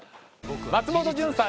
松本潤さん